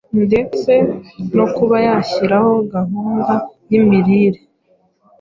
ndetse no kuba yashyiraho gahunda y’imirire